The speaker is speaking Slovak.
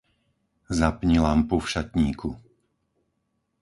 Zapni lampu v šatníku.